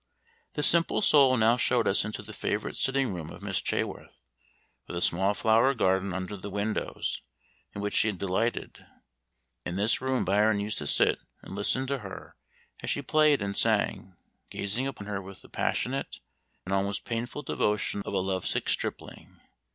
The simple soul now showed us into the favorite sitting room of Miss Chaworth, with a small flower garden under the windows, in which she had delighted. In this room Byron used to sit and listen to her as she played and sang, gazing upon her with the passionate, and almost painful devotion of a love sick stripling.